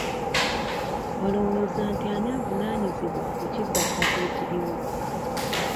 Olowooza nti ani avunaanyizibwa ku kibbattaka ekiriwo?